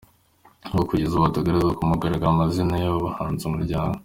N’ubwo kugeza ubu hataratangazwa ku mugaragaro amazina y’aba bahanzi, Umuryango.